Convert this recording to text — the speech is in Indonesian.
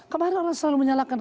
kemarin orang selalu menyalahkan